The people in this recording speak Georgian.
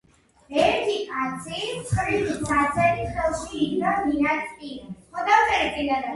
კინგს ასევე ეკუთვნის, სერიალის სრულმეტრაჟიანი ვერსიის სცენარიც.